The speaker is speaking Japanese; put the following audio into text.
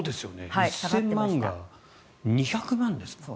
１０００万が２００万ですからね。